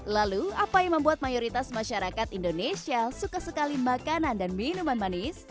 lalu apa yang membuat mayoritas masyarakat indonesia suka sekali makanan dan minuman manis